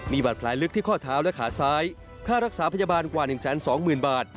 มีบาดแผลลึกที่ข้อเท้าและขาซ้ายค่ารักษาพยาบาลกว่า๑๒๐๐๐บาท